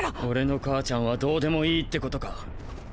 俺の母ちゃんはどうでもいいってことか？